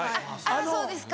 そうですか。